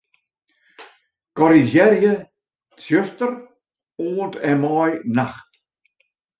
Korrizjearje 'tsjuster' oant en mei 'nacht'.